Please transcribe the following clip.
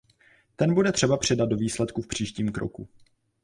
Ten bude třeba přidat do výsledku v příštím kroku.